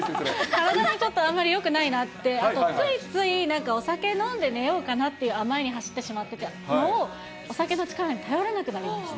体にちょっと、あんまりよくないなって、あとついつい、なんかお酒飲んで寝ようかなっていう甘えに走ってしまってたのを、もうお酒の力に頼らなくなりました。